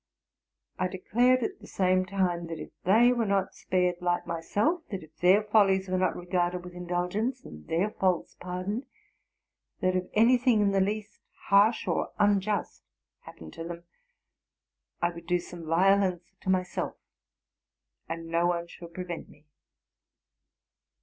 I declared at the same time, that if they were not spared like myself, that if their follies were not regarded with indulgence, and their faults pardoned, that if any thing in the least harsh or unjust happened to them, I would do some violence to my self, and no one should prevent me.